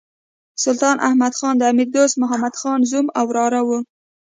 سلطان احمد خان د امیر دوست محمد خان زوم او وراره وو.